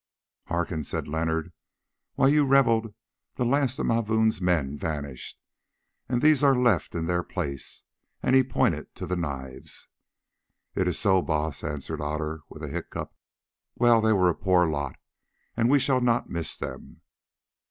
"Hearken," said Leonard, "while you revelled, the last of Mavoom's men vanished, and these are left in their place," and he pointed to the knives. "Is it so, Baas?" answered Otter with a hiccough. "Well, they were a poor lot, and we shall not miss them.